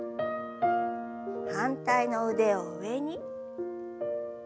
反対の腕を上に。